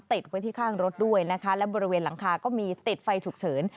ติดไว้ที่ข้างรถด้วยนะคะและบริเวณหลังคาก็มีติดไฟฉุกเฉิน